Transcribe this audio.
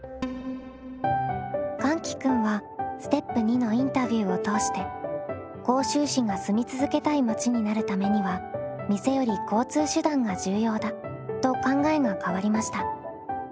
かんき君はステップ２のインタビューを通して甲州市が住み続けたい町になるためには店より交通手段が重要だと考えが変わりました。